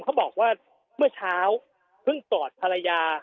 เขาบอกว่าเมื่อเช้าเพิ่งกอดภรรยา